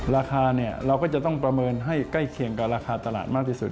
ราคาเนี่ยเราก็จะต้องประเมินให้ใกล้เคียงกับราคาตลาดมากที่สุด